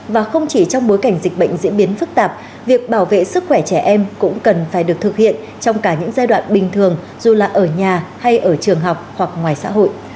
và không chỉ trong bối cảnh dịch bệnh diễn biến phức tạp việc bảo vệ sức khỏe trẻ em cũng cần phải được thực hiện trong cả những giai đoạn bình thường dù là ở nhà hay ở trường học hoặc ngoài xã hội